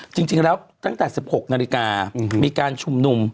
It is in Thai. จริงแล้วตั้งแต่๑๖นาฬิกามีการชุมนุม